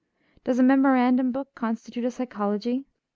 Does a memorandum book constitute a psychology?